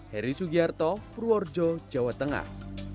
heri sugiarto purworejo jawa tengah